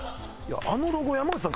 あのロゴ山内さん